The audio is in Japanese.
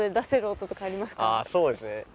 あそうですね。